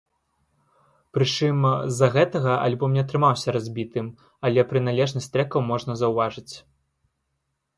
Прычым, з-за гэтага альбом не атрымаўся разбітым, але прыналежнасць трэкаў можна заўважыць.